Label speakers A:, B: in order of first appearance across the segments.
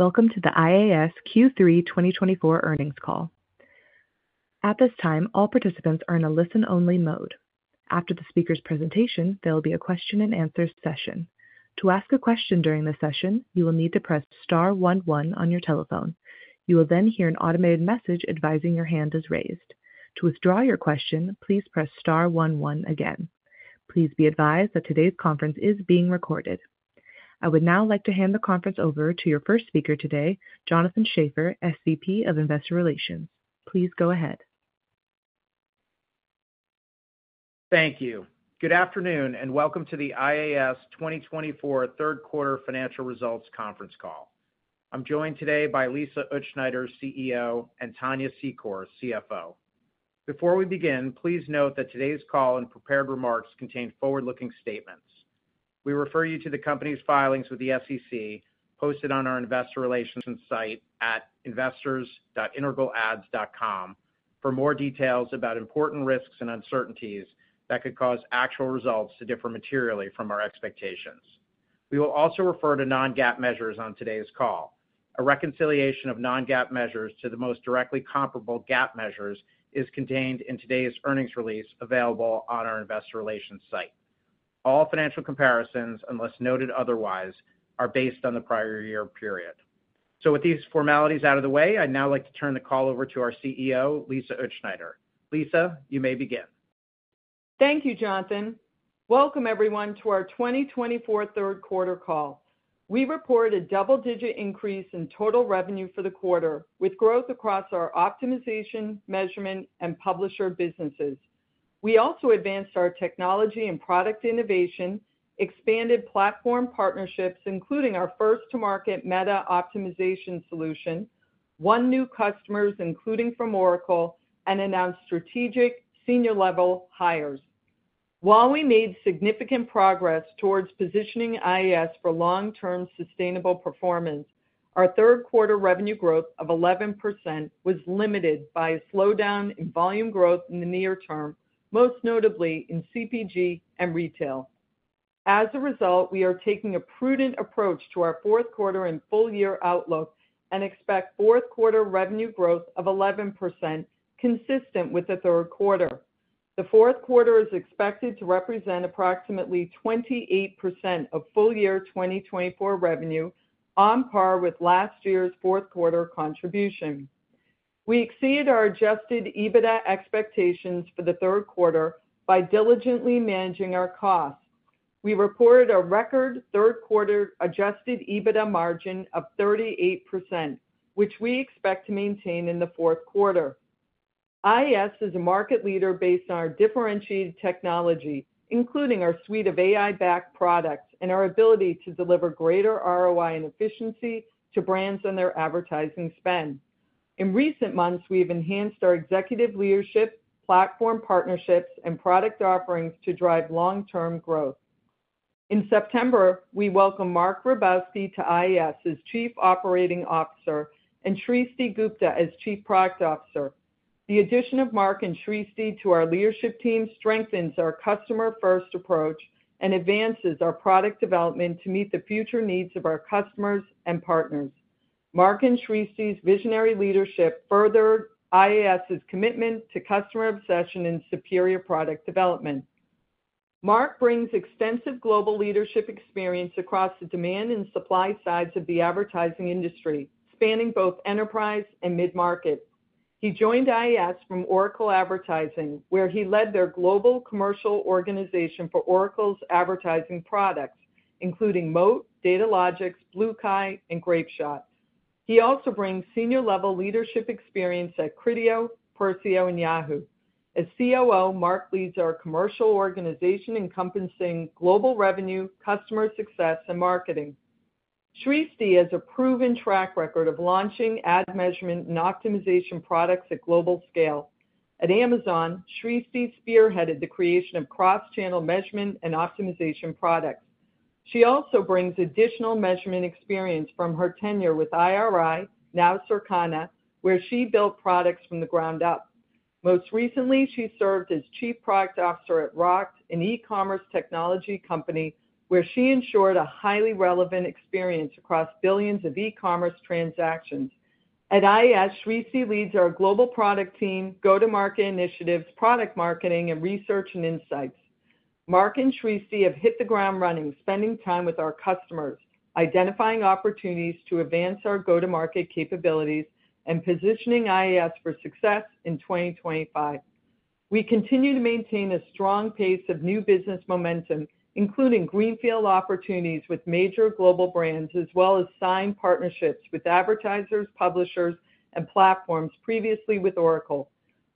A: Welcome to the IAS Q3 2024 earnings call. At this time, all participants are in a listen-only mode. After the speaker's presentation, there will be a question-and-answer session. To ask a question during the session, you will need to press star one one on your telephone. You will then hear an automated message advising your hand is raised. To withdraw your question, please press star one one again. Please be advised that today's conference is being recorded. I would now like to hand the conference over to your first speaker today, Jonathan Schaffer, SVP of Investor Relations. Please go ahead.
B: Thank you. Good afternoon and welcome to the IAS 2024 third quarter financial results conference call. I'm joined today by Lisa Utzschneider, CEO, and Tania Secor, CFO. Before we begin, please note that today's call and prepared remarks contain forward-looking statements. We refer you to the company's filings with the SEC posted on our investor relations site at investors.integralads.com for more details about important risks and uncertainties that could cause actual results to differ materially from our expectations. We will also refer to non-GAAP measures on today's call. A reconciliation of non-GAAP measures to the most directly comparable GAAP measures is contained in today's earnings release available on our investor relations site. All financial comparisons, unless noted otherwise, are based on the prior year period, so with these formalities out of the way, I'd now like to turn the call over to our CEO, Lisa Utzschneider. Lisa, you may begin.
C: Thank you, Jonathan. Welcome, everyone, to our 2024 third quarter call. We reported a double-digit increase in total revenue for the quarter, with growth across our optimization, measurement, and publisher businesses. We also advanced our technology and product innovation, expanded platform partnerships, including our first-to-market Meta optimization solution, won new customers, including from Oracle, and announced strategic senior-level hires. While we made significant progress towards positioning IAS for long-term sustainable performance, our third quarter revenue growth of 11% was limited by a slowdown in volume growth in the near term, most notably in CPG and retail. As a result, we are taking a prudent approach to our fourth quarter and full-year outlook and expect fourth quarter revenue growth of 11%, consistent with the third quarter. The fourth quarter is expected to represent approximately 28% of full-year 2024 revenue, on par with last year's fourth quarter contribution. We exceeded our Adjusted EBITDA expectations for the third quarter by diligently managing our costs. We reported a record third quarter Adjusted EBITDA margin of 38%, which we expect to maintain in the fourth quarter. IAS is a market leader based on our differentiated technology, including our suite of AI-backed products and our ability to deliver greater ROI and efficiency to brands and their advertising spend. In recent months, we have enhanced our executive leadership, platform partnerships, and product offerings to drive long-term growth. In September, we welcomed Marc Grabowski to IAS as Chief Operating Officer and Srishti Gupta as Chief Product Officer. The addition of Marc and Srishti to our leadership team strengthens our customer-first approach and advances our product development to meet the future needs of our customers and partners. Marc and Srishti's visionary leadership furthered IAS's commitment to customer obsession and superior product development. Marc brings extensive global leadership experience across the demand and supply sides of the advertising industry, spanning both enterprise and mid-market. He joined IAS from Oracle Advertising, where he led their global commercial organization for Oracle's advertising products, including Moat, Datalogix, BlueKai, and Grapeshot. He also brings senior-level leadership experience at Criteo, Persio, and Yahoo. As COO, Marc leads our commercial organization, encompassing global revenue, customer success, and marketing. Srishti has a proven track record of launching ad measurement and optimization products at global scale. At Amazon, Srishti spearheaded the creation of cross-channel measurement and optimization products. She also brings additional measurement experience from her tenure with IRI, now Circana, where she built products from the ground up. Most recently, she served as Chief Product Officer at Rokt, an e-commerce technology company, where she ensured a highly relevant experience across billions of e-commerce transactions. At IAS, Srishti leads our global product team, go-to-market initiatives, product marketing, and research and insights. Marc and Srishti have hit the ground running, spending time with our customers, identifying opportunities to advance our go-to-market capabilities, and positioning IAS for success in 2025. We continue to maintain a strong pace of new business momentum, including greenfield opportunities with major global brands, as well as signed partnerships with advertisers, publishers, and platforms previously with Oracle.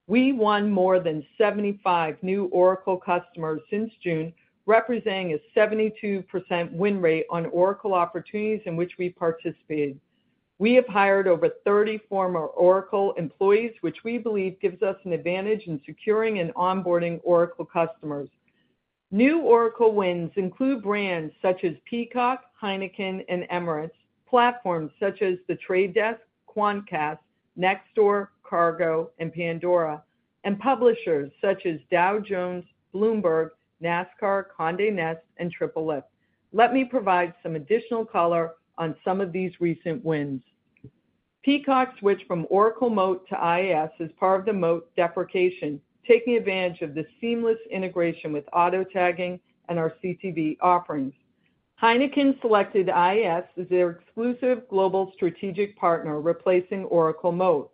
C: We won more than 75 new Oracle customers since June, representing a 72% win rate on Oracle opportunities in which we participated. We have hired over 30 former Oracle employees, which we believe gives us an advantage in securing and onboarding Oracle customers. New Oracle wins include brands such as Peacock, Heineken, and Emirates, platforms such as The Trade Desk, Quantcast, Kargo, and Pandora, and publishers such as Dow Jones, Bloomberg, NASCAR, Condé Nast, and AAA. Let me provide some additional color on some of these recent wins. Peacock switched from Oracle Moat to IAS as part of the Moat deprecation, taking advantage of the seamless integration with autotagging and our CTV offerings. Heineken selected IAS as their exclusive global strategic partner, replacing Oracle Moat.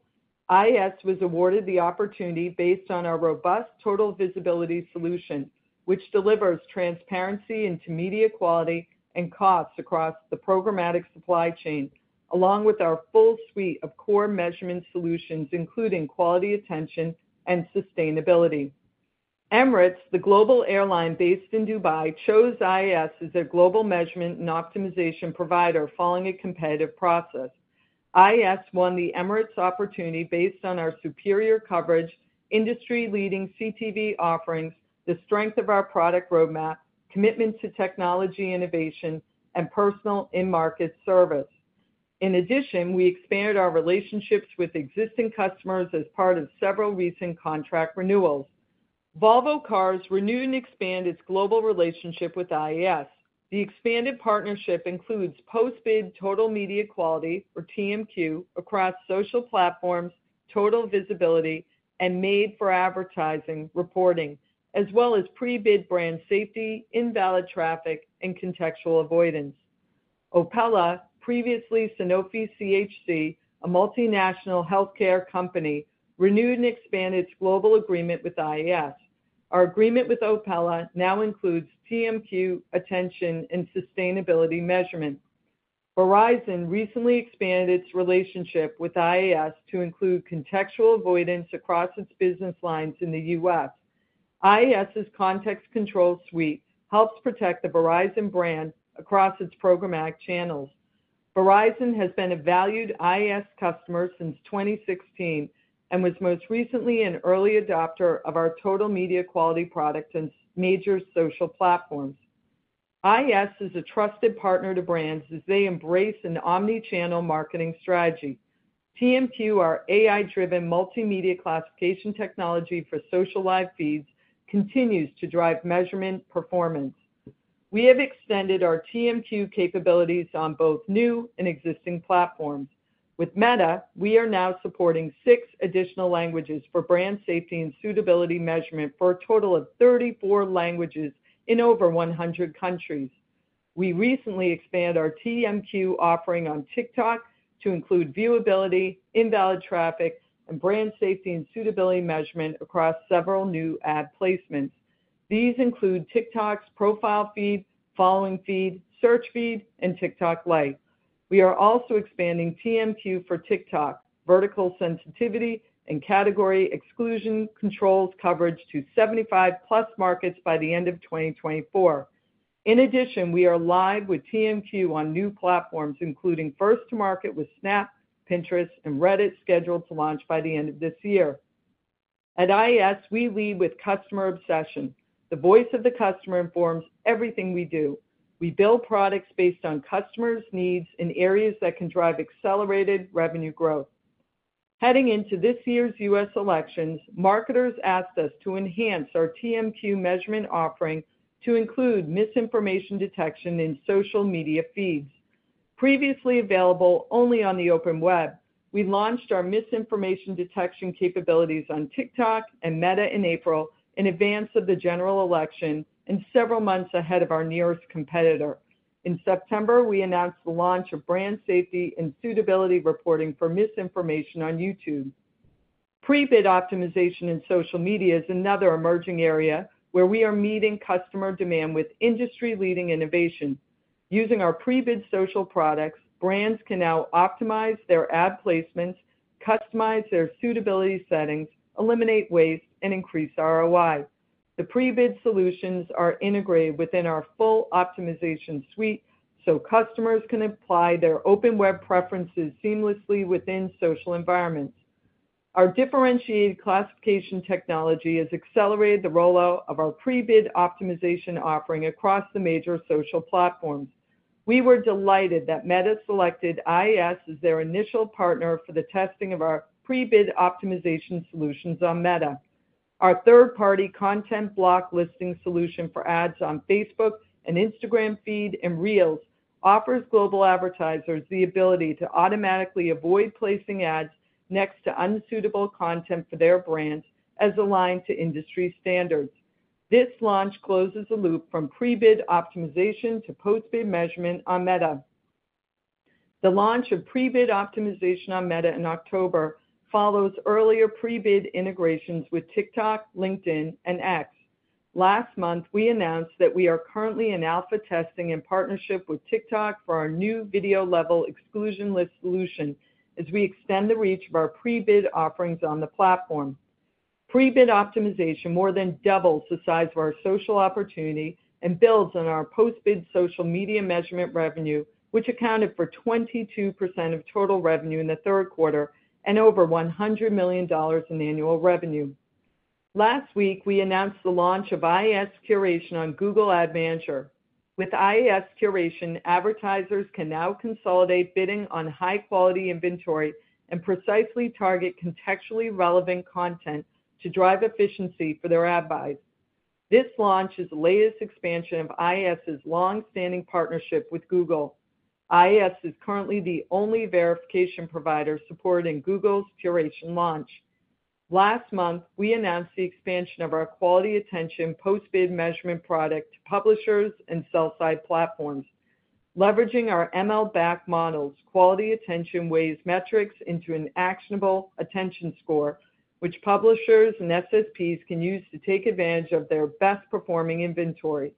C: IAS was awarded the opportunity based on our robust Total Visibility solution, which delivers transparency into media quality and costs across the programmatic supply chain, along with our full suite of core measurement solutions, including Quality Attention and sustainability. Emirates, the global airline based in Dubai, chose IAS as their global measurement and optimization provider, following a competitive process. IAS won the Emirates opportunity based on our superior coverage, industry-leading CTV offerings, the strength of our product roadmap, commitment to technology innovation, and personal in-market service. In addition, we expanded our relationships with existing customers as part of several recent contract renewals. Volvo Cars renewed and expanded its global relationship with IAS. The expanded partnership includes post-bid total media quality, or TMQ, across social platforms, Total Visibility, and Made for Advertising reporting, as well as pre-bid brand safety, invalid traffic, and contextual avoidance. Opella, previously Sanofi CHC, a multinational healthcare company, renewed and expanded its global agreement with IAS. Our agreement with Opella now includes TMQ, attention, and sustainability measurement. Verizon recently expanded its relationship with IAS to include contextual avoidance across its business lines in the U.S. IAS's Context Control suite helps protect the Verizon brand across its programmatic channels. Verizon has been a valued IAS customer since 2016 and was most recently an early adopter of our Total Media Quality product and major social platforms. IAS is a trusted partner to brands as they embrace an omnichannel marketing strategy. TMQ, our AI-driven multimedia classification technology for social live feeds, continues to drive measurement performance. We have extended our TMQ capabilities on both new and existing platforms. With Meta, we are now supporting six additional languages for brand safety and suitability measurement for a total of 34 languages in over 100 countries. We recently expanded our TMQ offering on TikTok to include viewability, invalid traffic, and brand safety and suitability measurement across several new ad placements. These include TikTok's Profile Feed, Following Feed, Search Feed, and TikTok Lite. We are also expanding TMQ for TikTok vertical sensitivity and category exclusion controls coverage to 75-plus markets by the end of 2024. In addition, we are live with TMQ on new platforms, including first-to-market with Snap, Pinterest, and Reddit, scheduled to launch by the end of this year. At IAS, we lead with customer obsession. The voice of the customer informs everything we do. We build products based on customers' needs in areas that can drive accelerated revenue growth. Heading into this year's U.S. elections, marketers asked us to enhance our TMQ measurement offering to include misinformation detection in social media feeds. Previously available only on the open web, we launched our misinformation detection capabilities on TikTok and Meta in April, in advance of the general election and several months ahead of our nearest competitor. In September, we announced the launch of brand safety and suitability reporting for misinformation on YouTube. Pre-bid optimization in social media is another emerging area where we are meeting customer demand with industry-leading innovation. Using our Pre-Bid Social products, brands can now optimize their ad placements, customize their suitability settings, eliminate waste, and increase ROI. The Pre-Bid Solutions are integrated within our full optimization suite so customers can apply their open web preferences seamlessly within social environments. Our differentiated classification technology has accelerated the rollout of our Pre-Bid Optimization offering across the major social platforms. We were delighted that Meta selected IAS as their initial partner for the testing of our Pre-Bid Optimization solutions on Meta. Our third-party content block listing solution for ads on Facebook and Instagram feed and Reels offers global advertisers the ability to automatically avoid placing ads next to unsuitable content for their brands as aligned to industry standards. This launch closes the loop from Pre-Bid Optimization to post-bid measurement on Meta. The launch of Pre-Bid Optimization on Meta in October follows earlier Pre-Bid Integrations with TikTok, LinkedIn, and X. Last month, we announced that we are currently in alpha testing in partnership with TikTok for our new video level exclusion list solution as we extend the reach of our Pre-Bid Offerings on the platform. Pre-Bid Optimization more than doubles the size of our social opportunity and builds on our post-bid social media measurement revenue, which accounted for 22% of total revenue in the third quarter and over $100 million in annual revenue. Last week, we announced the launch of IAS Curation on Google Ad Manager. With IAS Curation, advertisers can now consolidate bidding on high-quality inventory and precisely target contextually relevant content to drive efficiency for their ad buys. This launch is the latest expansion of IAS's long-standing partnership with Google. IAS is currently the only verification provider supported in Google's curation launch. Last month, we announced the expansion of our Quality Attention post-bid measurement product to publishers and sell-side platforms. Leveraging our ML-backed models, Quality Attention weighs metrics into an actionable attention score, which publishers and SSPs can use to take advantage of their best-performing inventory.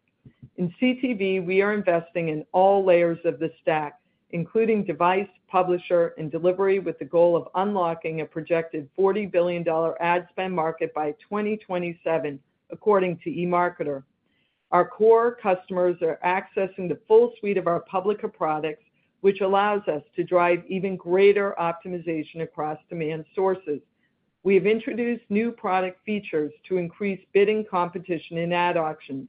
C: In CTV, we are investing in all layers of the stack, including device, publisher, and delivery, with the goal of unlocking a projected $40 billion ad spend market by 2027, according to eMarketer. Our core customers are accessing the full suite of our Publica products, which allows us to drive even greater optimization across demand sources. We have introduced new product features to increase bidding competition in ad auctions.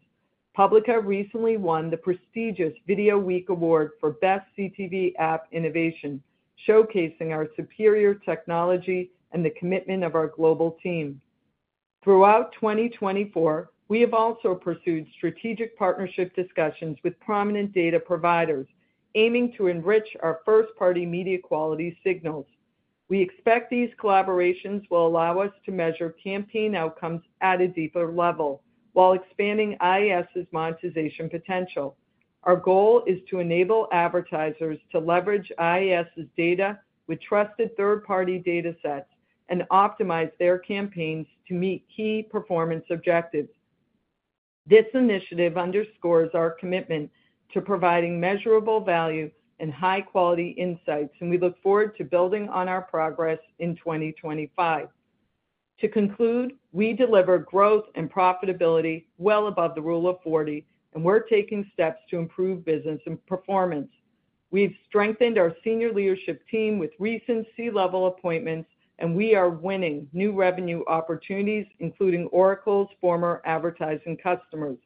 C: Publica recently won the prestigious VideoWeek Award for Best CTV App Innovation, showcasing our superior technology and the commitment of our global team. Throughout 2024, we have also pursued strategic partnership discussions with prominent data providers, aiming to enrich our first-party media quality signals. We expect these collaborations will allow us to measure campaign outcomes at a deeper level while expanding IAS's monetization potential. Our goal is to enable advertisers to leverage IAS's data with trusted third-party data sets and optimize their campaigns to meet key performance objectives. This initiative underscores our commitment to providing measurable value and high-quality insights, and we look forward to building on our progress in 2025. To conclude, we deliver growth and profitability well above the Rule of 40, and we're taking steps to improve business and performance. We've strengthened our senior leadership team with recent C-level appointments, and we are winning new revenue opportunities, including Oracle's former advertising customers.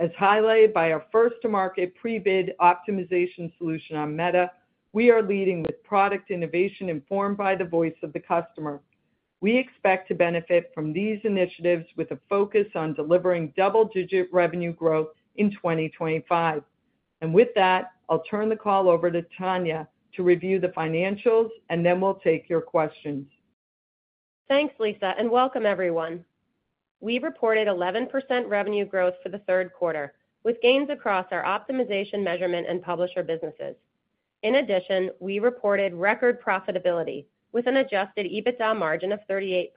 C: As highlighted by our first-to-market Pre-Bid Optimization solution on Meta, we are leading with product innovation informed by the voice of the customer. We expect to benefit from these initiatives with a focus on delivering double-digit revenue growth in 2025, and with that, I'll turn the call over to Tania to review the financials, and then we'll take your questions.
D: Thanks, Lisa, and welcome, everyone. We reported 11% revenue growth for the third quarter, with gains across our optimization measurement and publisher businesses. In addition, we reported record profitability with an Adjusted EBITDA margin of 38%.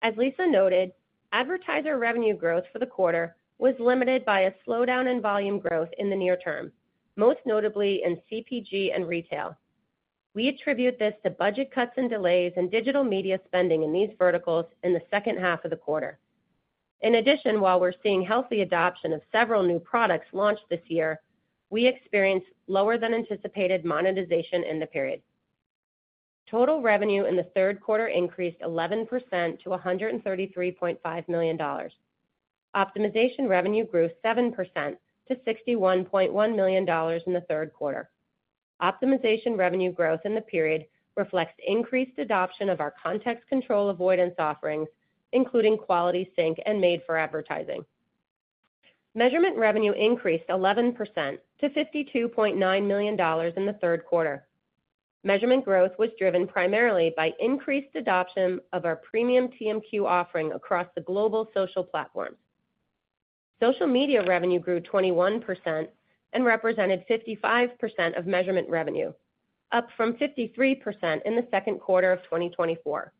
D: As Lisa noted, advertiser revenue growth for the quarter was limited by a slowdown in volume growth in the near term, most notably in CPG and retail. We attribute this to budget cuts and delays in digital media spending in these verticals in the second half of the quarter. In addition, while we're seeing healthy adoption of several new products launched this year, we experienced lower-than-anticipated monetization in the period. Total revenue in the third quarter increased 11% to $133.5 million. Optimization revenue grew 7% to $61.1 million in the third quarter. Optimization revenue growth in the period reflects increased adoption of our Context Control avoidance offerings, including Quality Sync and Made for Advertising. Measurement revenue increased 11% to $52.9 million in the third quarter. Measurement growth was driven primarily by increased adoption of our premium TMQ offering across the global social platforms. Social media revenue grew 21% and represented 55% of measurement revenue, up from 53% in the second quarter of 2024.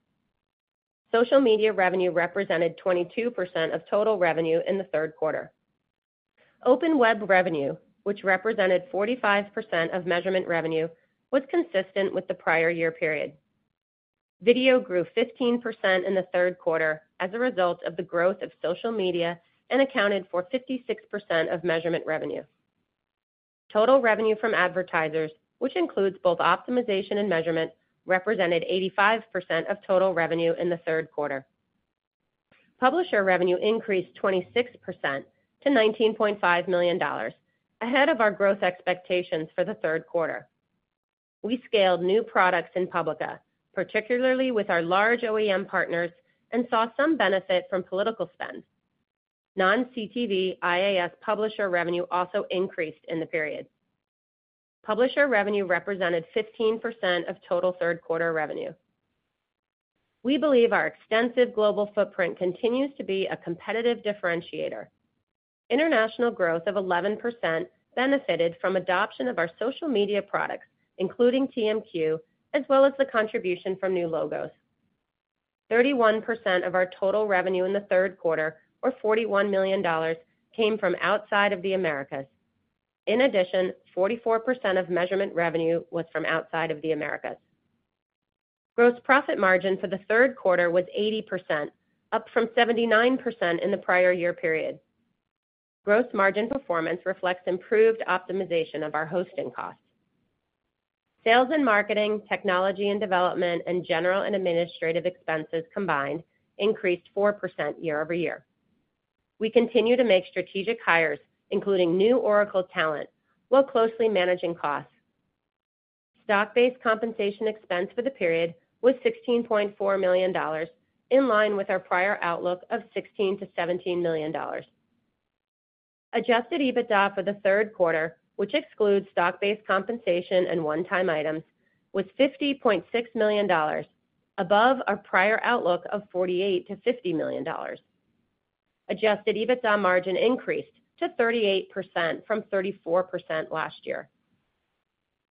D: Social media revenue represented 22% of total revenue in the third quarter. Open web revenue, which represented 45% of measurement revenue, was consistent with the prior year period. Video grew 15% in the third quarter as a result of the growth of social media and accounted for 56% of measurement revenue. Total revenue from advertisers, which includes both optimization and measurement, represented 85% of total revenue in the third quarter. Publisher revenue increased 26% to $19.5 million, ahead of our growth expectations for the third quarter. We scaled new products in Publica, particularly with our large OEM partners, and saw some benefit from political spend. Non-CTV IAS publisher revenue also increased in the period. Publisher revenue represented 15% of total third-quarter revenue. We believe our extensive global footprint continues to be a competitive differentiator. International growth of 11% benefited from adoption of our social media products, including TMQ, as well as the contribution from new logos. 31% of our total revenue in the third quarter, or $41 million, came from outside of the Americas. In addition, 44% of measurement revenue was from outside of the Americas. Gross profit margin for the third quarter was 80%, up from 79% in the prior year period. Gross margin performance reflects improved optimization of our hosting costs. Sales and marketing, technology and development, and general and administrative expenses combined increased 4% year over year. We continue to make strategic hires, including new Oracle talent, while closely managing costs. Stock-based compensation expense for the period was $16.4 million, in line with our prior outlook of $16 million-$17 million. Adjusted EBITDA for the third quarter, which excludes stock-based compensation and one-time items, was $50.6 million, above our prior outlook of $48 million-$50 million. Adjusted EBITDA margin increased to 38% from 34% last year.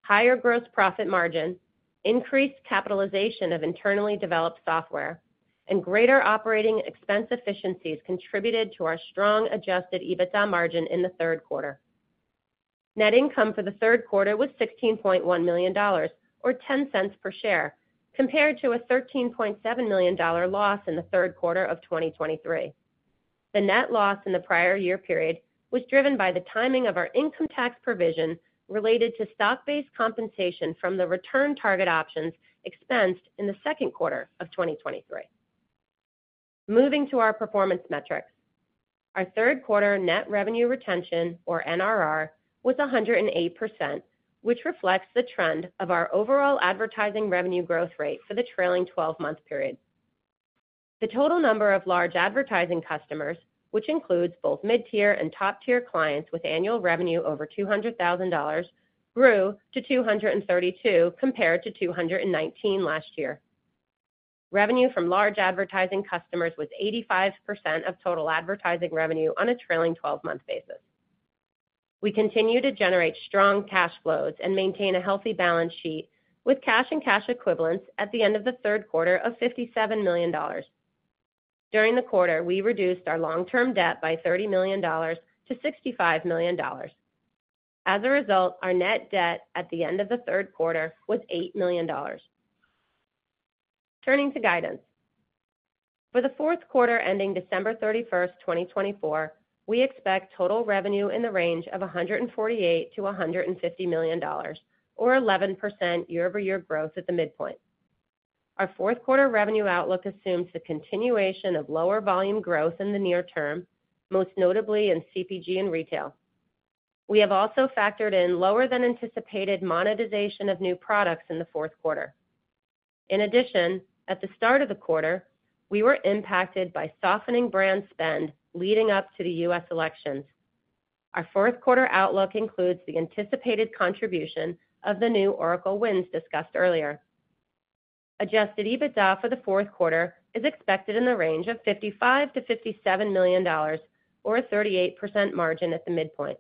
D: Higher gross profit margin, increased capitalization of internally developed software, and greater operating expense efficiencies contributed to our strong Adjusted EBITDA margin in the third quarter. Net income for the third quarter was $16.1 million, or $0.10 per share, compared to a $13.7 million loss in the third quarter of 2023. The net loss in the prior year period was driven by the timing of our income tax provision related to stock-based compensation from the return target options expensed in the second quarter of 2023. Moving to our performance metrics. Our third quarter net revenue retention, or NRR, was 108%, which reflects the trend of our overall advertising revenue growth rate for the trailing 12-month period. The total number of large advertising customers, which includes both mid-tier and top-tier clients with annual revenue over $200,000, grew to 232 compared to 219 last year. Revenue from large advertising customers was 85% of total advertising revenue on a trailing 12-month basis. We continue to generate strong cash flows and maintain a healthy balance sheet with cash and cash equivalents at the end of the third quarter of $57 million. During the quarter, we reduced our long-term debt by $30 million to $65 million. As a result, our net debt at the end of the third quarter was $8 million. Turning to guidance. For the fourth quarter ending December 31, 2024, we expect total revenue in the range of $148 million-$150 million, or 11% year-over-year growth at the midpoint. Our fourth quarter revenue outlook assumes the continuation of lower volume growth in the near term, most notably in CPG and retail. We have also factored in lower-than-anticipated monetization of new products in the fourth quarter. In addition, at the start of the quarter, we were impacted by softening brand spend leading up to the U.S. elections. Our fourth quarter outlook includes the anticipated contribution of the new Oracle wins discussed earlier. Adjusted EBITDA for the fourth quarter is expected in the range of $55 million-$57 million, or a 38% margin at the midpoint.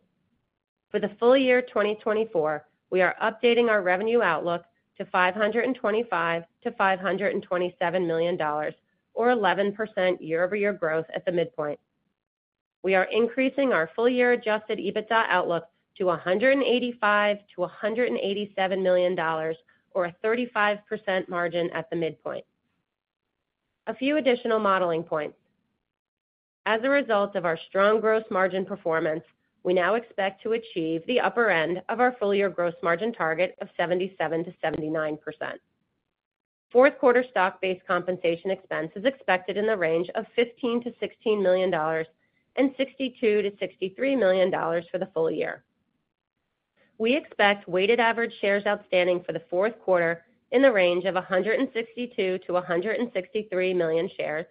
D: For the full year 2024, we are updating our revenue outlook to $525 million-$527 million, or 11% year-over-year growth at the midpoint. We are increasing our full-year Adjusted EBITDA outlook to $185 million-$187 million, or a 35% margin at the midpoint. A few additional modeling points. As a result of our strong gross margin performance, we now expect to achieve the upper end of our full-year gross margin target of 77%-79%. Fourth quarter stock-based compensation expense is expected in the range of $15 million-$16 million and $62 million-$63 million for the full year. We expect weighted average shares outstanding for the fourth quarter in the range of $162 million-$163 million shares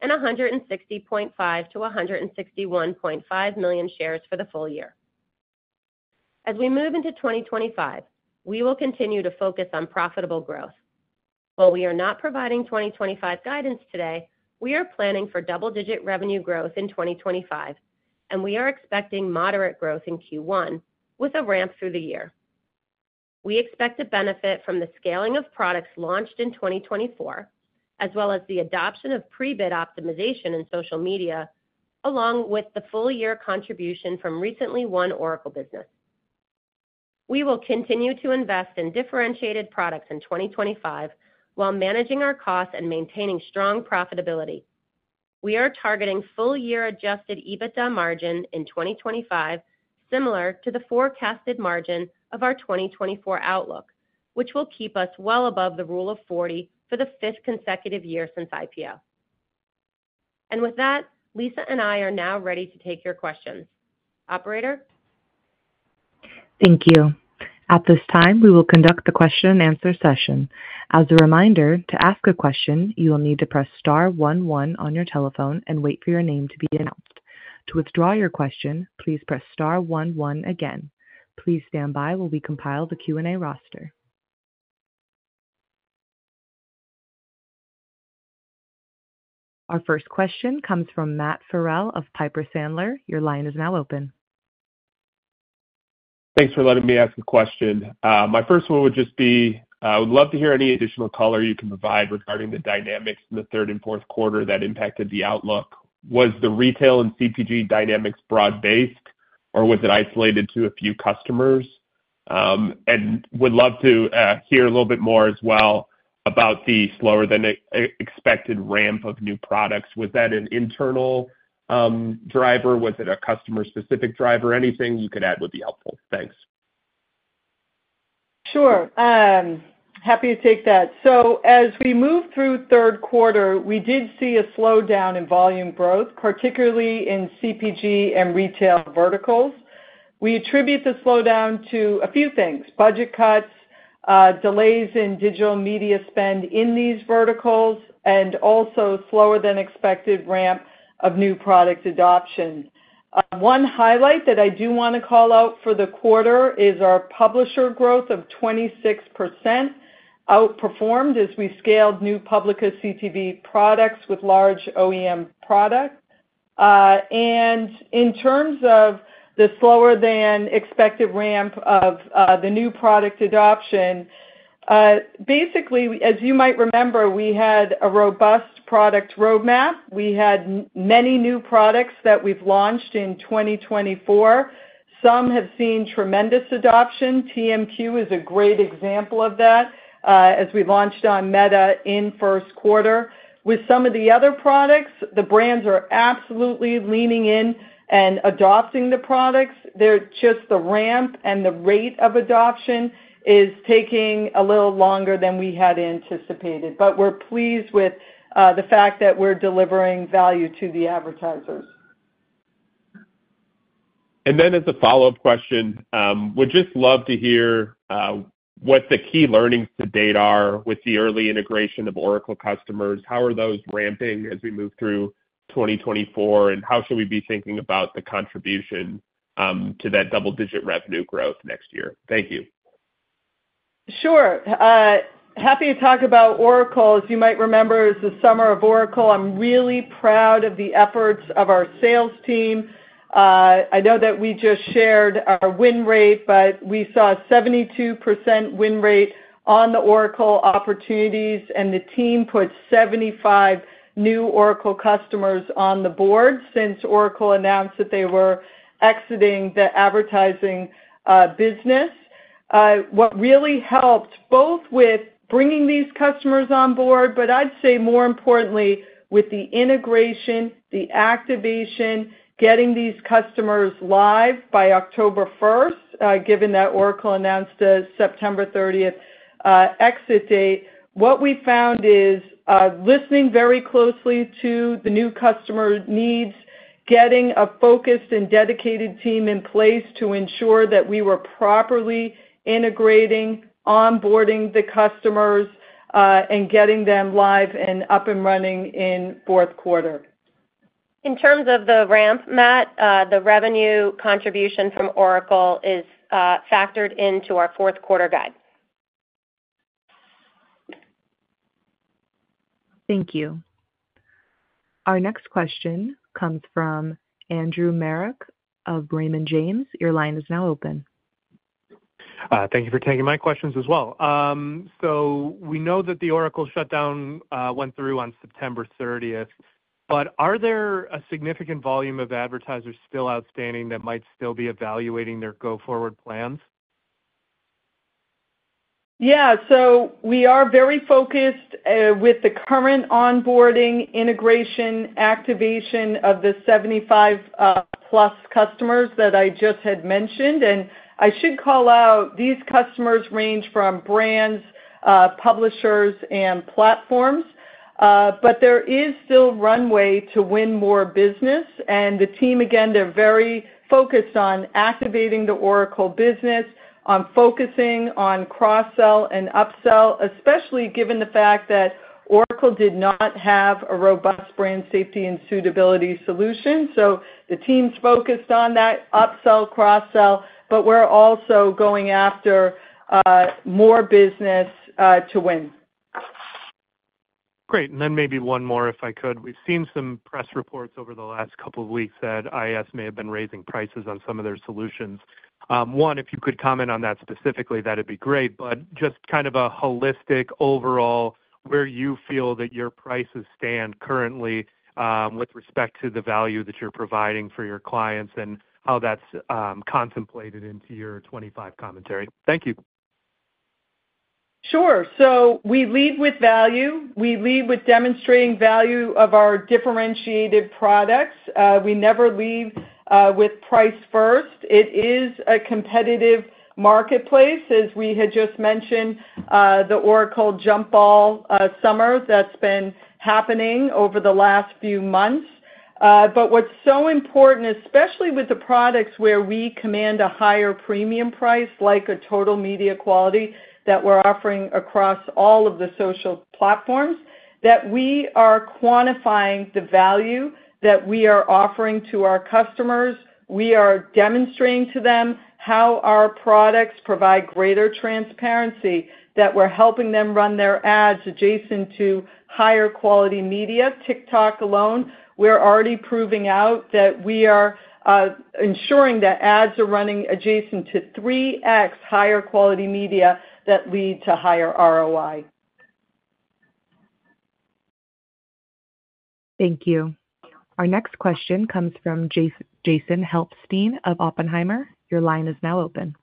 D: and $160.5 million-$161.5 million shares for the full year. As we move into 2025, we will continue to focus on profitable growth. While we are not providing 2025 guidance today, we are planning for double-digit revenue growth in 2025, and we are expecting moderate growth in Q1 with a ramp through the year. We expect to benefit from the scaling of products launched in 2024, as well as the adoption of pre-bid optimization in social media, along with the full-year contribution from recently won Oracle business. We will continue to invest in differentiated products in 2025 while managing our costs and maintaining strong profitability. We are targeting full-year Adjusted EBITDA margin in 2025, similar to the forecasted margin of our 2024 outlook, which will keep us well above the Rule of 40 for the fifth consecutive year since IPO. And with that, Lisa and I are now ready to take your questions. Operator?
A: Thank you. At this time, we will conduct the question-and-answer session. As a reminder, to ask a question, you will need to press star one one on your telephone and wait for your name to be announced. To withdraw your question, please press star one one again. Please stand by while we compile the Q&A roster. Our first question comes from Matt Farrell of Piper Sandler. Your line is now open.
E: Thanks for letting me ask a question. My first one would just be, I would love to hear any additional color you can provide regarding the dynamics in the third and fourth quarter that impacted the outlook. Was the retail and CPG dynamics broad-based, or was it isolated to a few customers? And would love to hear a little bit more as well about the slower-than-expected ramp of new products. Was that an internal driver? Was it a customer-specific driver? Anything you could add would be helpful. Thanks.
C: Sure. Happy to take that. So as we move through third quarter, we did see a slowdown in volume growth, particularly in CPG and retail verticals. We attribute the slowdown to a few things: budget cuts, delays in digital media spend in these verticals, and also slower-than-expected ramp of new product adoption. One highlight that I do want to call out for the quarter is our publisher growth of 26%, outperformed as we scaled new Publica CTV products with large OEM products. In terms of the slower-than-expected ramp of the new product adoption, basically, as you might remember, we had a robust product roadmap. We had many new products that we've launched in 2024. Some have seen tremendous adoption. TMQ is a great example of that, as we launched on Meta in first quarter. With some of the other products, the brands are absolutely leaning in and adopting the products. Just the ramp and the rate of adoption is taking a little longer than we had anticipated, but we're pleased with the fact that we're delivering value to the advertisers.
E: And then as a follow-up question, we'd just love to hear what the key learnings to date are with the early integration of Oracle customers. How are those ramping as we move through 2024, and how should we be thinking about the contribution to that double-digit revenue growth next year? Thank you.
C: Sure. Happy to talk about Oracle. As you might remember, it was the summer of Oracle. I'm really proud of the efforts of our sales team. I know that we just shared our win rate, but we saw a 72% win rate on the Oracle opportunities, and the team put 75 new Oracle customers on the board since Oracle announced that they were exiting the advertising business. What really helped both with bringing these customers on board, but I'd say more importantly with the integration, the activation, getting these customers live by October 1st, given that Oracle announced a September 30 exit date. What we found is listening very closely to the new customer needs, getting a focused and dedicated team in place to ensure that we were properly integrating, onboarding the customers, and getting them live and up and running in fourth quarter.
D: In terms of the ramp, Matt, the revenue contribution from Oracle is factored into our fourth quarter guide.
A: Thank you. Our next question comes from Andrew Marok of Raymond James. Your line is now open.
F: Thank you for taking my questions as well. So we know that the Oracle shutdown went through on September 30, but are there a significant volume of advertisers still outstanding that might still be evaluating their go-forward plans?
C: Yeah. So we are very focused with the current onboarding, integration, activation of the 75-plus customers that I just had mentioned. And I should call out these customers range from brands, publishers, and platforms, but there is still runway to win more business. And the team, again, they're very focused on activating the Oracle business, on focusing on cross-sell and up-sell, especially given the fact that Oracle did not have a robust brand safety and suitability solution. So the team's focused on that up-sell, cross-sell, but we're also going after more business to win.
F: Great. And then maybe one more, if I could. We've seen some press reports over the last couple of weeks that IAS may have been raising prices on some of their solutions. One, if you could comment on that specifically, that'd be great, but just kind of a holistic overall, where you feel that your prices stand currently with respect to the value that you're providing for your clients and how that's contemplated into your 2025 commentary. Thank you.
C: Sure. So we lead with value. We lead with demonstrating value of our differentiated products. We never lead with price first. It is a competitive marketplace, as we had just mentioned, the Oracle jump ball summer that's been happening over the last few months. But what's so important, especially with the products where we command a higher premium price, like Total Media Quality that we're offering across all of the social platforms, that we are quantifying the value that we are offering to our customers. We are demonstrating to them how our products provide greater transparency, that we're helping them run their ads adjacent to higher quality media. TikTok alone, we're already proving out that we are ensuring that ads are running adjacent to 3x higher quality media that lead to higher ROI.
A: Thank you. Our next question comes from Jason Helfstein of Oppenheimer. Your line is now open.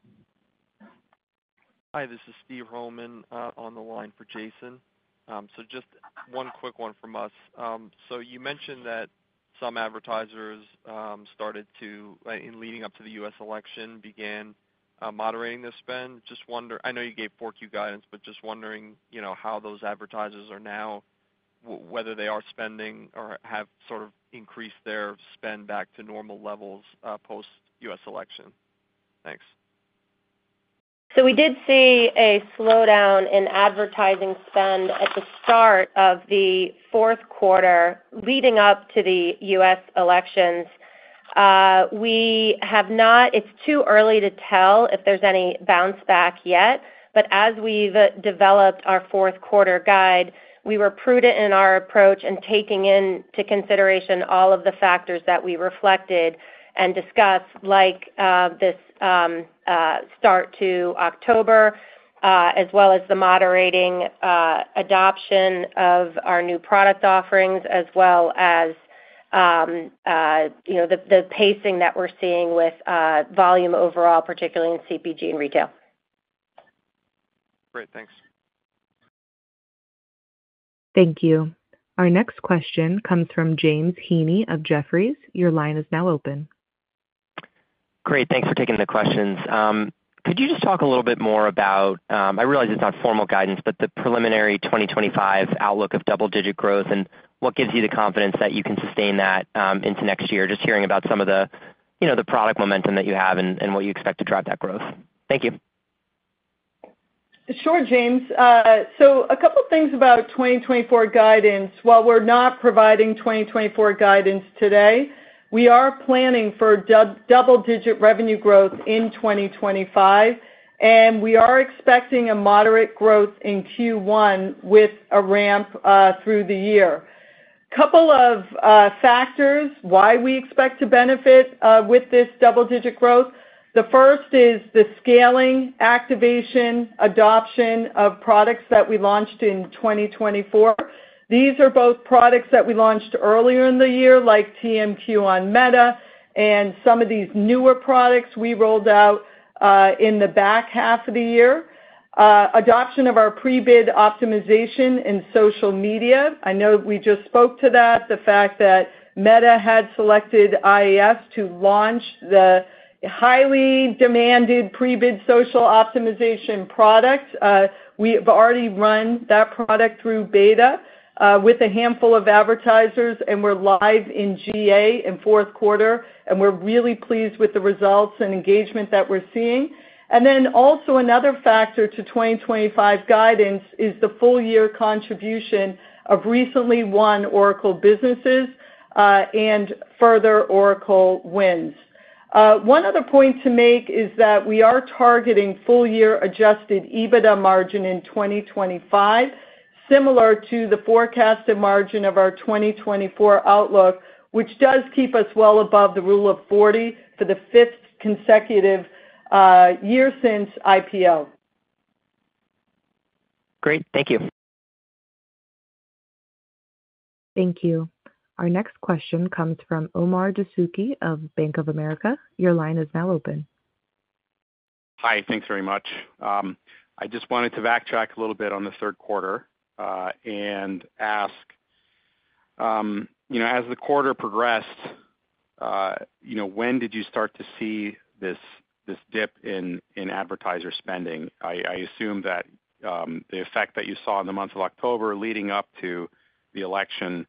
G: Hi, this is Steve Roman on the line for Jason. So just one quick one from us. So you mentioned that some advertisers started to, in leading up to the U.S. election, began moderating their spend. I know you gave Q4 guidance, but just wondering how those advertisers are now, whether they are spending or have sort of increased their spend back to normal levels post-U.S. election. Thanks.
D: So we did see a slowdown in advertising spend at the start of the fourth quarter leading up to the U.S. elections. It's too early to tell if there's any bounce back yet, but as we've developed our fourth quarter guide, we were prudent in our approach in taking into consideration all of the factors that we reflected and discussed, like this start to October, as well as the moderating adoption of our new product offerings, as well as the pacing that we're seeing with volume overall, particularly in CPG and retail.
G: Great. Thanks.
A: Thank you. Our next question comes from James Heaney of Jefferies. Your line is now open.
H: Great. Thanks for taking the questions. Could you just talk a little bit more about, I realize it's not formal guidance, but the preliminary 2025 outlook of double-digit growth and what gives you the confidence that you can sustain that into next year? Just hearing about some of the product momentum that you have and what you expect to drive that growth. Thank you.
C: Sure, James. So a couple of things about 2024 guidance. While we're not providing 2024 guidance today, we are planning for double-digit revenue growth in 2025, and we are expecting a moderate growth in Q1 with a ramp through the year. A couple of factors why we expect to benefit with this double-digit growth. The first is the scaling, activation, adoption of products that we launched in 2024. These are both products that we launched earlier in the year, like TMQ on Meta, and some of these newer products we rolled out in the back half of the year. Adoption of our pre-bid optimization in social media. I know we just spoke to that, the fact that Meta had selected IAS to launch the highly demanded pre-bid social optimization product. We have already run that product through beta with a handful of advertisers, and we're live in GA in fourth quarter, and we're really pleased with the results and engagement that we're seeing. And then also another factor to 2025 guidance is the full-year contribution of recently won Oracle businesses and further Oracle wins. One other point to make is that we are targeting full-year Adjusted EBITDA margin in 2025, similar to the forecasted margin of our 2024 outlook, which does keep us well above the Rule of 40 for the fifth consecutive year since IPO.
G: Great. Thank you. Thank you. Our next question comes from Omar Dessouky of Bank of America. Your line is now open.
I: Hi. Thanks very much. I just wanted to backtrack a little bit on the third quarter and ask, as the quarter progressed, when did you start to see this dip in advertiser spending? I assume that the effect that you saw in the month of October leading up to the election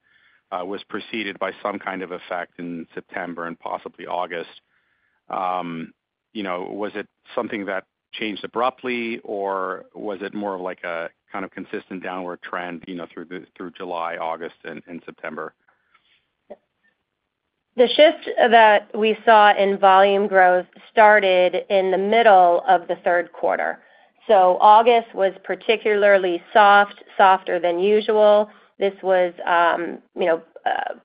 I: was preceded by some kind of effect in September and possibly August. Was it something that changed abruptly, or was it more of a kind of consistent downward trend through July, August, and September?
D: The shift that we saw in volume growth started in the middle of the third quarter. So August was particularly soft, softer than usual. This was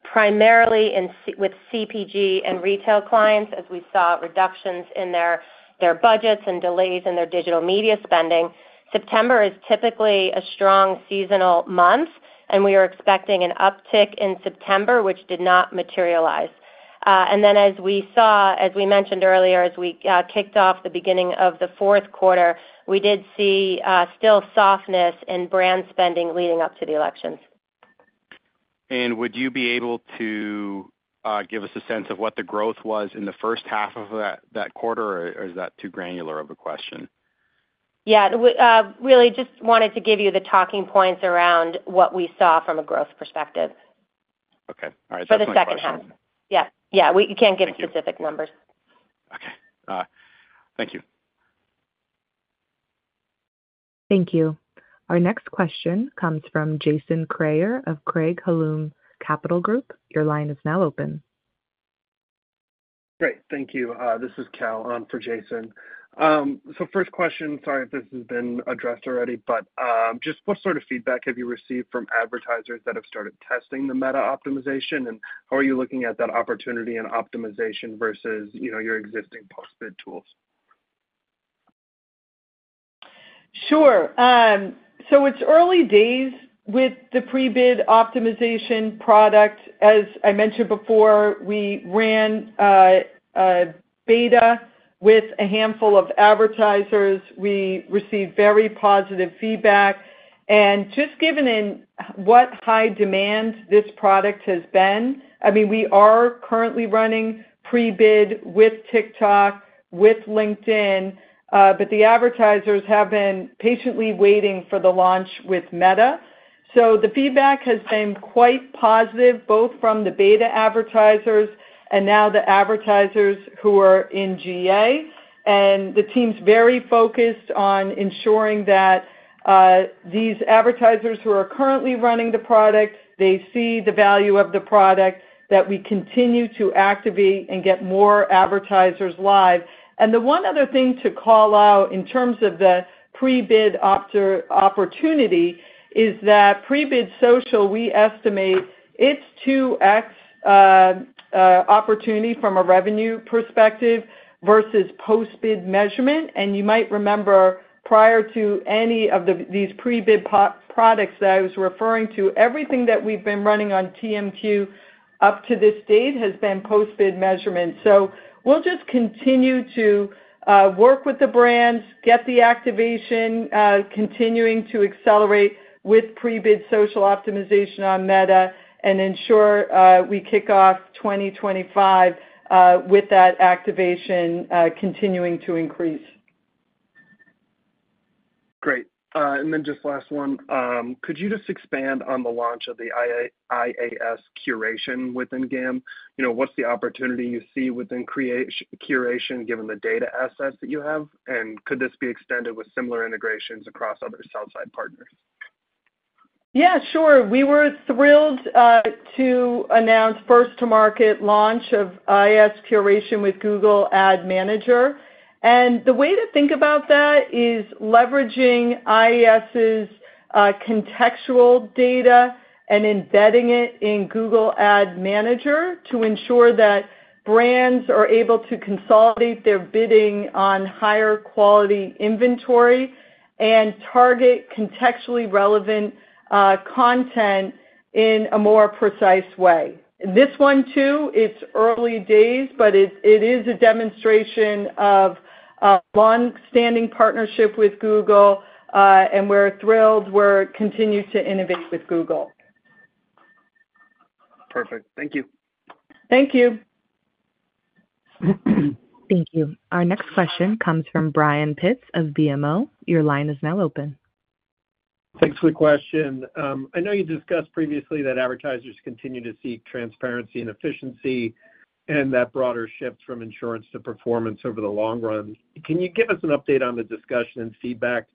D: primarily with CPG and retail clients, as we saw reductions in their budgets and delays in their digital media spending. September is typically a strong seasonal month, and we are expecting an uptick in September, which did not materialize. And then, as we mentioned earlier, as we kicked off the beginning of the fourth quarter, we did see still softness in brand spending leading up to the elections.
I: And would you be able to give us a sense of what the growth was in the first half of that quarter, or is that too granular of a question?
D: Yeah. Really just wanted to give you the talking points around what we saw from a growth perspective.
I: Okay. All right. That's helpful.
D: For the second half. Yeah. Yeah. We can't give specific numbers.
I: Okay. Thank you.
A: Thank you. Our next question comes from Jason Kreyer of Craig-Hallum Capital Group. Your line is now open. Great. Thank you. This is Cal for Jason. So first question, sorry if this has been addressed already, but just what sort of feedback have you received from advertisers that have started testing the Meta optimization, and how are you looking at that opportunity and optimization versus your existing post-bid tools?
C: Sure. So it's early days with the pre-bid optimization product. As I mentioned before, we ran beta with a handful of advertisers. We received very positive feedback. And just given what high demand this product has been, I mean, we are currently running pre-bid with TikTok, with LinkedIn, but the advertisers have been patiently waiting for the launch with Meta. The feedback has been quite positive, both from the beta advertisers and now the advertisers who are in GA. The team's very focused on ensuring that these advertisers who are currently running the product see the value of the product, that we continue to activate and get more advertisers live. The one other thing to call out in terms of the pre-bid opportunity is that pre-bid social, we estimate it's 2x opportunity from a revenue perspective versus post-bid measurement. You might remember, prior to any of these pre-bid products that I was referring to, everything that we've been running on TMQ up to this date has been post-bid measurement. We'll just continue to work with the brands, get the activation, continuing to accelerate with pre-bid social optimization on Meta, and ensure we kick off 2025 with that activation continuing to increase. Great. Just last one. Could you just expand on the launch of the IAS Curation within GAM? What's the opportunity you see within curation given the data assets that you have? And could this be extended with similar integrations across other sell-side partners? Yeah. Sure. We were thrilled to announce first-to-market launch of IAS Curation with Google Ad Manager. And the way to think about that is leveraging IAS's contextual data and embedding it in Google Ad Manager to ensure that brands are able to consolidate their bidding on higher quality inventory and target contextually relevant content in a more precise way. This one, too, it's early days, but it is a demonstration of a long-standing partnership with Google, and we're thrilled. We're continuing to innovate with Google. Perfect. Thank you. Thank you.
A: Thank you. Our next question comes from Brian Pitz of BMO. Your line is now open.
J: Thanks for the question. I know you discussed previously that advertisers continue to seek transparency and efficiency and that broader shift from assurance to performance over the long run. Can you give us an update on the discussion and feedback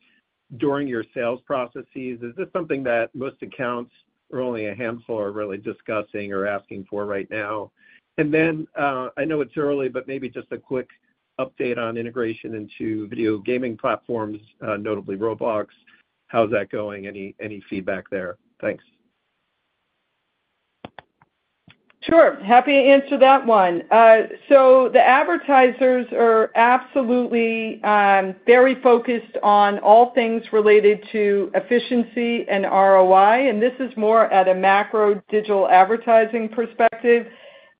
J: during your sales processes? Is this something that most accounts, or only a handful, are really discussing or asking for right now? And then, I know it's early, but maybe just a quick update on integration into video gaming platforms, notably Roblox. How's that going? Any feedback there? Thanks.
C: Sure. Happy to answer that one, so the advertisers are absolutely very focused on all things related to efficiency and ROI, and this is more at a macro digital advertising perspective.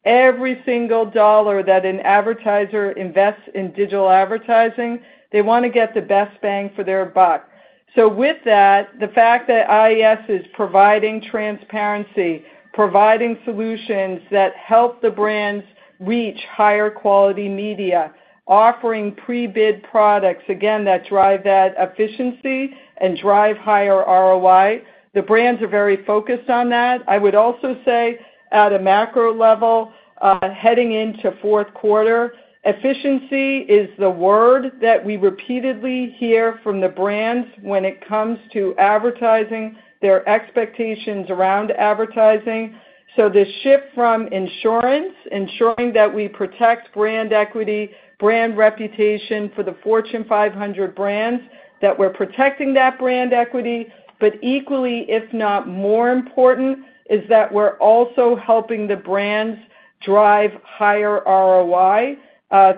C: Every single dollar that an advertiser invests in digital advertising, they want to get the best bang for their buck. So with that, the fact that IAS is providing transparency, providing solutions that help the brands reach higher quality media, offering pre-bid products, again, that drive that efficiency and drive higher ROI, the brands are very focused on that. I would also say, at a macro level, heading into fourth quarter, efficiency is the word that we repeatedly hear from the brands when it comes to advertising, their expectations around advertising. So the shift from insurance, ensuring that we protect brand equity, brand reputation for the Fortune 500 brands, that we're protecting that brand equity, but equally, if not more important, is that we're also helping the brands drive higher ROI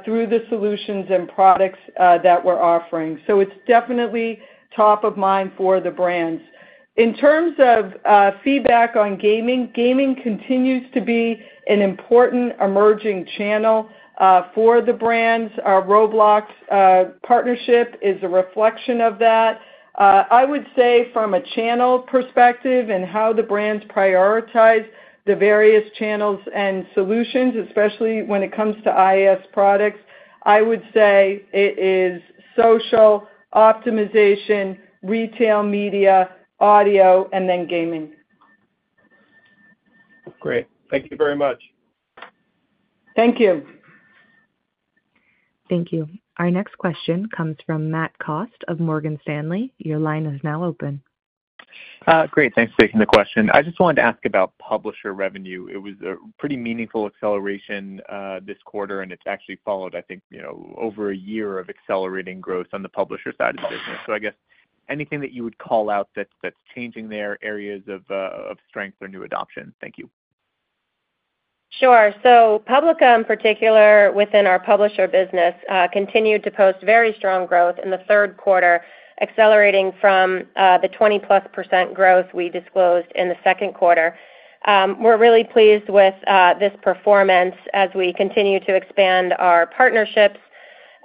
C: through the solutions and products that we're offering. So it's definitely top of mind for the brands. In terms of feedback on gaming, gaming continues to be an important emerging channel for the brands. Our Roblox partnership is a reflection of that. I would say, from a channel perspective and how the brands prioritize the various channels and solutions, especially when it comes to IAS products, I would say it is social, optimization, retail media, audio, and then gaming.
J: Great. Thank you very much.
C: Thank you.
A: Thank you. Our next question comes from Matthew Cost of Morgan Stanley. Your line is now open.
K: Great. Thanks for taking the question. I just wanted to ask about publisher revenue. It was a pretty meaningful acceleration this quarter, and it's actually followed, I think, over a year of accelerating growth on the publisher side of the business. So I guess anything that you would call out that's changing their areas of strength or new adoption? Thank you.
D: Sure. Publica, in particular, within our publisher business, continued to post very strong growth in the third quarter, accelerating from the 20-plus% growth we disclosed in the second quarter. We're really pleased with this performance as we continue to expand our partnerships.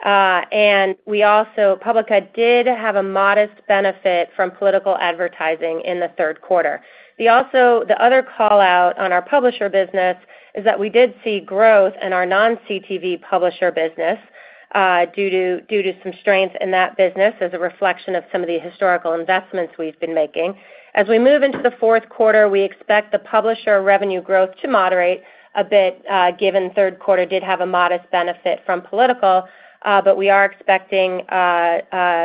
D: And Publica did have a modest benefit from political advertising in the third quarter. The other callout on our publisher business is that we did see growth in our non-CTV publisher business due to some strength in that business as a reflection of some of the historical investments we've been making. As we move into the fourth quarter, we expect the publisher revenue growth to moderate a bit, given third quarter did have a modest benefit from political, but we are expecting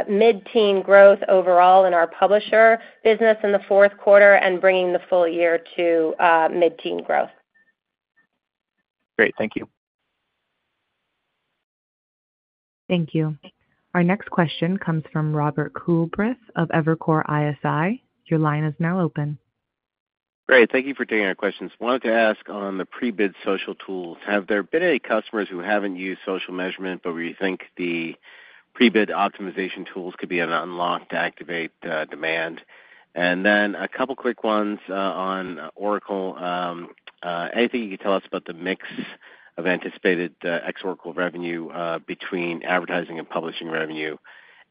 D: mid-teen growth overall in our publisher business in the fourth quarter and bringing the full year to mid-teen growth.
K: Great. Thank you.
A: Thank you. Our next question comes from Robert Coolbrith of Evercore ISI. Your line is now open.
L: Great. Thank you for taking our questions. Wanted to ask on the pre-bid social tools. Have there been any customers who haven't used social measurement, but we think the pre-bid optimization tools could be an unlock to activate demand? And then a couple of quick ones on Oracle. Anything you can tell us about the mix of anticipated ex-Oracle revenue between advertising and publishing revenue?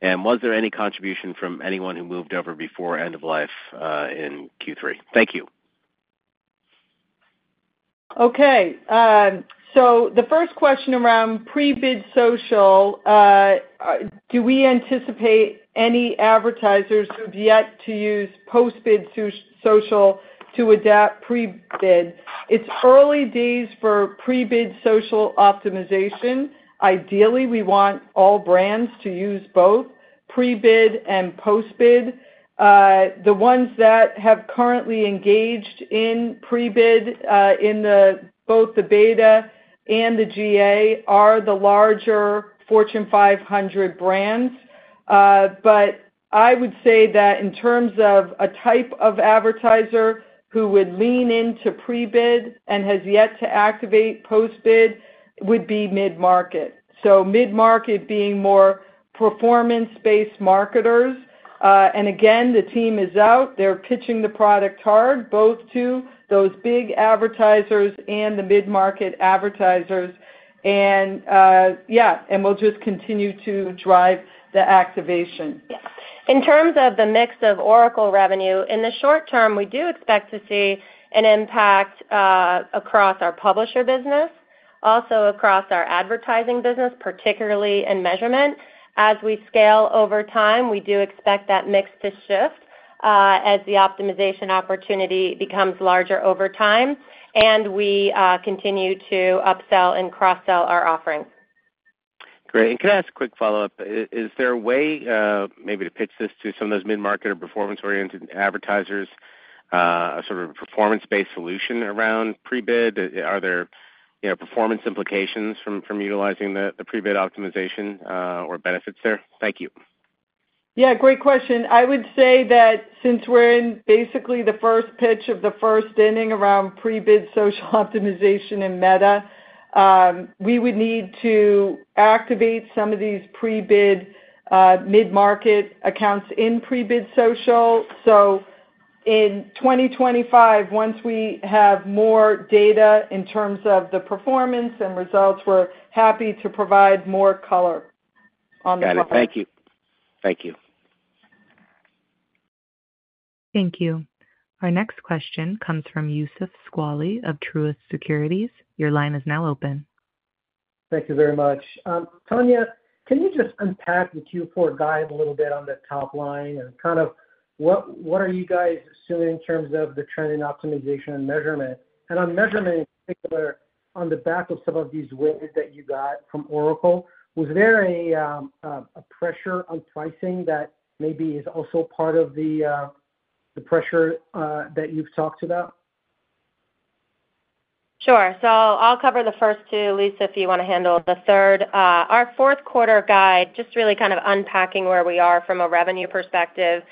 L: And was there any contribution from anyone who moved over before end of life in Q3? Thank you.
C: Okay. So the first question around pre-bid social, do we anticipate any advertisers who've yet to use post-bid social to adapt pre-bid? It's early days for pre-bid social optimization. Ideally, we want all brands to use both pre-bid and post-bid. The ones that have currently engaged in pre-bid in both the beta and the GA are the larger Fortune 500 brands. But I would say that in terms of a type of advertiser who would lean into pre-bid and has yet to activate post-bid would be mid-market. So mid-market being more performance-based marketers. And again, the team is out. They're pitching the product hard, both to those big advertisers and the mid-market advertisers. And yeah, and we'll just continue to drive the activation.
D: In terms of the mix of Oracle revenue, in the short term, we do expect to see an impact across our publisher business, also across our advertising business, particularly in measurement. As we scale over time, we do expect that mix to shift as the optimization opportunity becomes larger over time, and we continue to upsell and cross-sell our offering.
L: Great. Can I ask a quick follow-up? Is there a way maybe to pitch this to some of those mid-market or performance-oriented advertisers, a sort of performance-based solution around pre-bid? Are there performance implications from utilizing the pre-bid optimization or benefits there? Thank you.
C: Yeah. Great question. I would say that since we're in basically the first pitch of the first inning around pre-bid social optimization in Meta, we would need to activate some of these pre-bid mid-market accounts in pre-bid social. So in 2025, once we have more data in terms of the performance and results, we're happy to provide more color on the platform.
L: Thank you. Thank you.
A: Thank you. Our next question comes from Youssef Squali of Truist Securities. Your line is now open.
M: Thank you very much. Tania, can you just unpack the Q4 guide a little bit on the top line and kind of what are you guys assuming in terms of the trend in optimization and measurement? And on measurement in particular, on the back of some of these wins that you got from Oracle, was there a pressure on pricing that maybe is also part of the pressure that you've talked about?
D: Sure. So I'll cover the first two. Lisa, if you want to handle the third. Our fourth quarter guide, just really kind of unpacking where we are from a revenue perspective.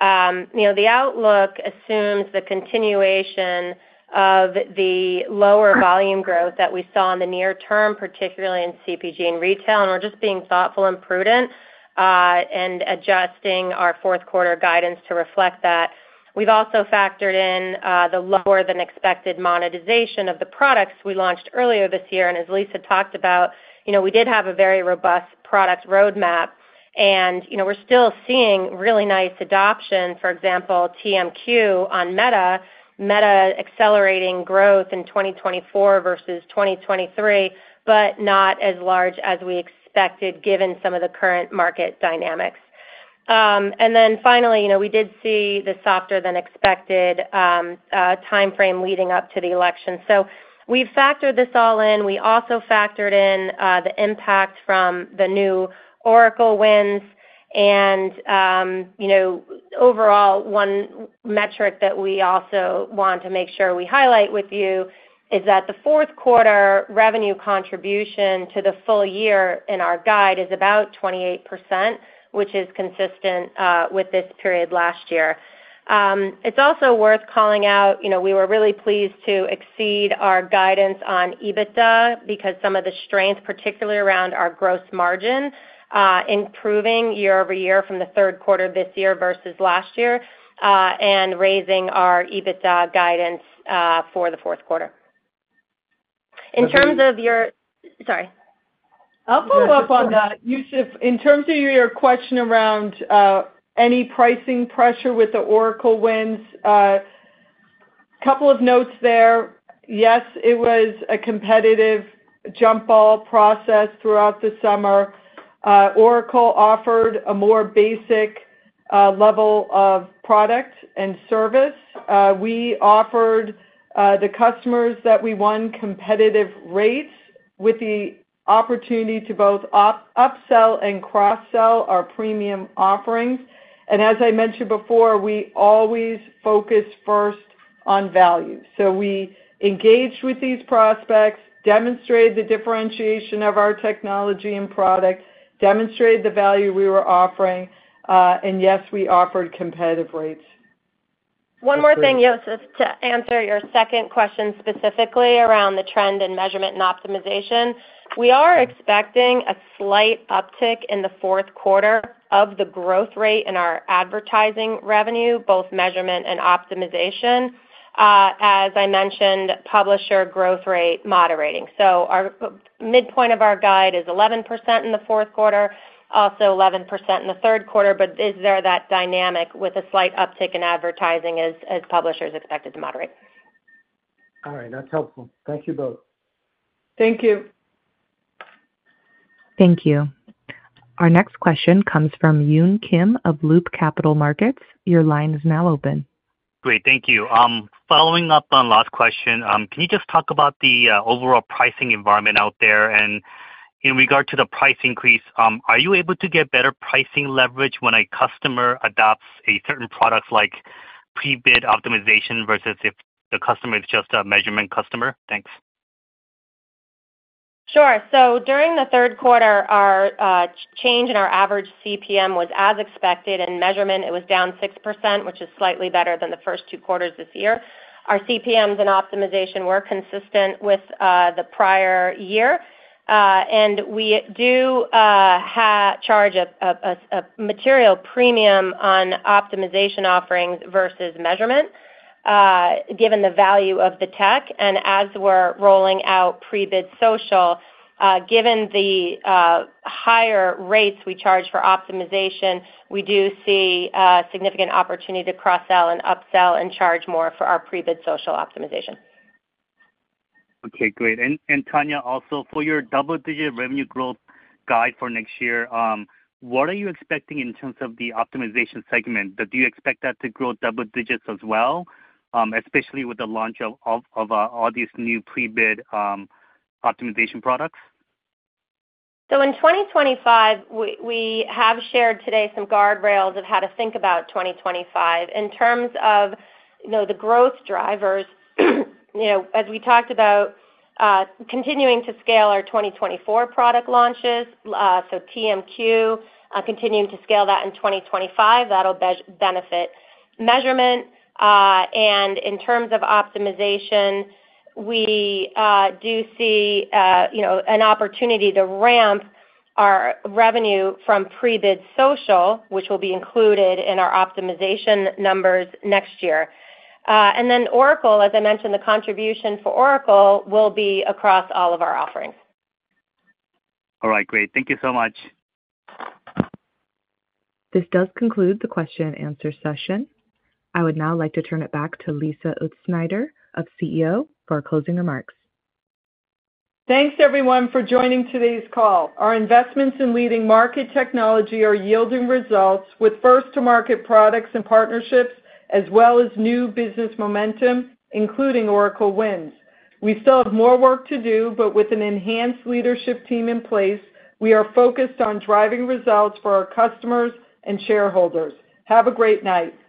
D: The outlook assumes the continuation of the lower volume growth that we saw in the near term, particularly in CPG and retail. And we're just being thoughtful and prudent and adjusting our fourth quarter guidance to reflect that. We've also factored in the lower-than-expected monetization of the products we launched earlier this year. And as Lisa talked about, we did have a very robust product roadmap, and we're still seeing really nice adoption, for example, TMQ on Meta, Meta accelerating growth in 2024 versus 2023, but not as large as we expected given some of the current market dynamics. And then finally, we did see the softer-than-expected timeframe leading up to the election. So we've factored this all in. We also factored in the impact from the new Oracle wins. And overall, one metric that we also want to make sure we highlight with you is that the fourth quarter revenue contribution to the full year in our guide is about 28%, which is consistent with this period last year. It's also worth calling out. We were really pleased to exceed our guidance on EBITDA because some of the strength, particularly around our gross margin, improving year over year from the third quarter this year versus last year, and raising our EBITDA guidance for the fourth quarter. In terms of your, sorry. I'll follow up on that.
C: Youssef, in terms of your question around any pricing pressure with the Oracle wins, a couple of notes there. Yes, it was a competitive jump ball process throughout the summer. Oracle offered a more basic level of product and service. We offered the customers that we won competitive rates with the opportunity to both upsell and cross-sell our premium offerings. And as I mentioned before, we always focus first on value. So we engaged with these prospects, demonstrated the differentiation of our technology and product, demonstrated the value we were offering, and yes, we offered competitive rates.
D: One more thing, Youssef, to answer your second question specifically around the trend in measurement and optimization. We are expecting a slight uptick in the fourth quarter of the growth rate in our advertising revenue, both measurement and optimization. As I mentioned, publisher growth rate moderating. So midpoint of our guide is 11% in the fourth quarter, also 11% in the third quarter, but is there that dynamic with a slight uptick in advertising as publishers expected to moderate?
M: All right. That's helpful. Thank you both.
A: Thank you. Our next question comes from Yun Kim of Loop Capital Markets. Your line is now open.
N: Great. Thank you. Following up on last question, can you just talk about the overall pricing environment out there? And in regard to the price increase, are you able to get better pricing leverage when a customer adopts a certain product like pre-bid optimization versus if the customer is just a measurement customer? Thanks.
D: Sure. So during the third quarter, our change in our average CPM was as expected in measurement. It was down 6%, which is slightly better than the first two quarters this year. Our CPMs and optimization were consistent with the prior year. And we do charge a material premium on optimization offerings versus measurement given the value of the tech. And as we're rolling out pre-bid social, given the higher rates we charge for optimization, we do see significant opportunity to cross-sell and upsell and charge more for our pre-bid social optimization.
N: Okay. Great. And, Tania, also for your double-digit revenue growth guide for next year, what are you expecting in terms of the optimization segment? Do you expect that to grow double digits as well, especially with the launch of all these new pre-bid optimization products?
D: So in 2025, we have shared today some guardrails of how to think about 2025. In terms of the growth drivers, as we talked about, continuing to scale our 2024 product launches, so TMQ, continuing to scale that in 2025, that'll benefit measurement. And in terms of optimization, we do see an opportunity to ramp our revenue from pre-bid social, which will be included in our optimization numbers next year. And then Oracle, as I mentioned, the contribution for Oracle will be across all of our offerings.
N: All right. Great. Thank you so much.
A: This does conclude the question-and-answer session. I would now like to turn it back to Lisa Utzschneider, our CEO, for our closing remarks.
C: Thanks, everyone, for joining today's call. Our investments in leading market technology are yielding results with first-to-market products and partnerships, as well as new business momentum, including Oracle wins. We still have more work to do, but with an enhanced leadership team in place, we are focused on driving results for our customers and shareholders. Have a great night.